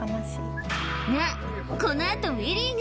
このあとウィリが